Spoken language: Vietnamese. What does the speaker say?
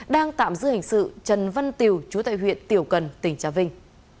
đang tạm giữ hành sự trần văn tiểu chú tại huyện tiểu cần tỉnh trà vinh